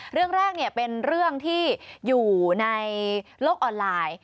เรื่องแรกเป็นเรื่องที่อยู่ในโลกออนไลน์